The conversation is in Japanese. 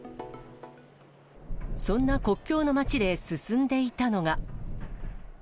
そんな国境の街で進んでいたのが。